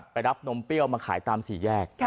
รับนมเปรี้ยวมาขายตามสี่แยก